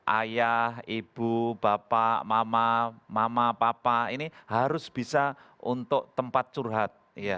ayah ibu bapak mama papa ini harus bisa untuk tempat curhat